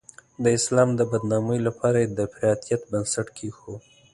د اسلام د بدنامۍ لپاره یې د افراطیت بنسټ کېښود.